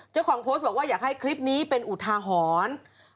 เจ้าของโพสต์บอกว่าอยากให้คลิปนี้เป็นอุทาหรณ์